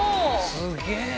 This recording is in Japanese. すげえな。